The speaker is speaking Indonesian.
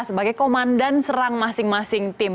sebagai komandan serang masing masing tim